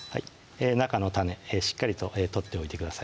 中の種しっかりと取っておいてください